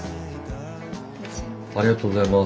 ありがとうございます。